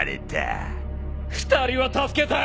２人は助けた！